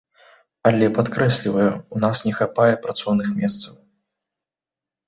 Але, падкрэсліваю, у нас не хапае працоўных месцаў.